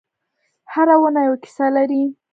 هره ونه یوه کیسه لري.